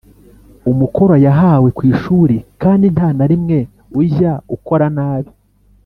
umukoro yahawe ku ishuri Kandi nta na rimwe ujya ukora nabi